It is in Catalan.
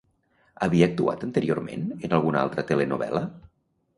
Havia actuat anteriorment en alguna altra telenovel·la?